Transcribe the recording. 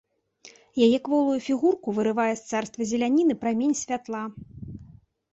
Яе кволую фігурку вырывае з царства зеляніны прамень святла.